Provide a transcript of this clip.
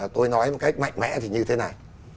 tôi nói một cách mạnh mẽ thì như thế này